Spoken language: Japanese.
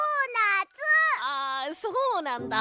あそうなんだ。